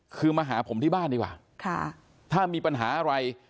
คือมาหาผมที่บ้านดีกว่าถ้ามีปัญหาอะไร